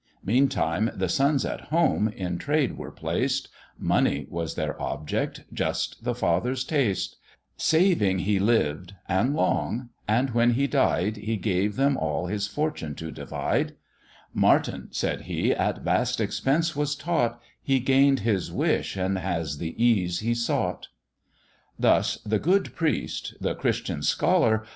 Meantime the sons at home in trade were placed, Money their object just the father's taste; Saving he lived and long, and when he died, He gave them all his fortune to divide: "Martin," said he, "at vast expense was taught; He gain'd his wish, and has the ease he sought." Thus the good priest (the Christian scholar!)